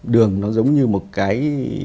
đường nó giống như một cái